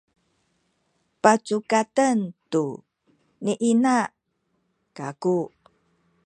pacukaten tu ni ina kaku